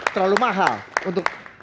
terlalu mahal untuk